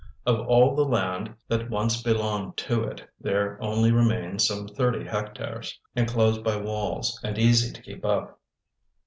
Of all the land that once belonged to it there only remained some thirty hectares, enclosed by walls, and easy to keep up.